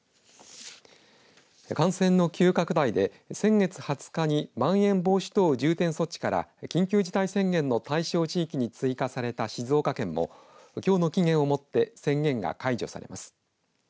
感染の急拡大で先月２０日にまん延防止等重点措置から緊急事態宣言の対象地域に追加された静岡県も、きょうの期限をもって宣言が解除されます。